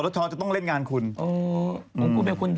ที่จังหวัด